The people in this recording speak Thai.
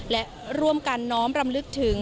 และร่วมกันน้อมรำลึกถึง